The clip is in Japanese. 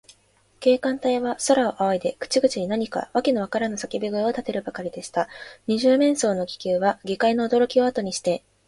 警官隊は、空をあおいで、口々に何かわけのわからぬさけび声をたてるばかりでした。二十面相の黒軽気球は、下界のおどろきをあとにして、